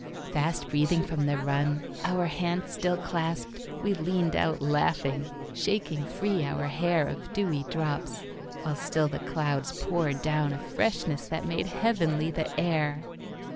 Fast breathing from the run, our hands still clasped, We leaned out laughing, shaking free our hairOf dewy drops, while still the clouds poured downA freshness that made heavenly the air.